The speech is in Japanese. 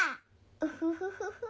ウフフフフ。